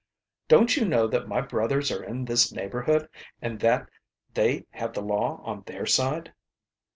"Don't you know that my brothers are in this neighborhood, and that they have the law on their side?"